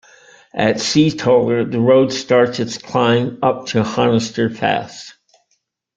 At Seatoller, the road starts its climb up to Honister Pass.